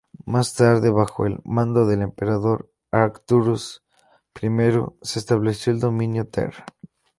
Más tarde, bajo el mando del emperador Arcturus I, se estableció el Dominio Terran.